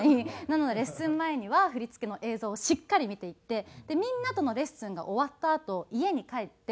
なのでレッスン前には振り付けの映像をしっかり見ていってみんなとのレッスンが終わったあと家に帰って。